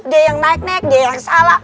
dia yang naik naik dia yang salah